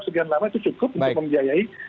sekian lama itu cukup untuk membiayai